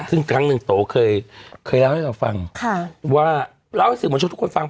ซึ่งครั้งหนึ่งโตเคยเคยเล่าให้เราฟังค่ะว่าเราช่วยทุกคนฟัง